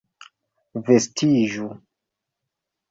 Vestiĝu!